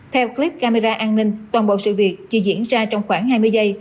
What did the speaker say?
theo clip camera an ninh toàn bộ sự việc chỉ diễn ra trong khoảng hai mươi giây